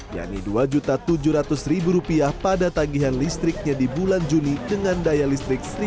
yani dua tujuh ratus rupiah pada tagihan listriknya di bulan juni dengan daya listrik satu tiga ratus watt